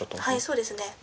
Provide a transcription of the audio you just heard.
はいそうですね。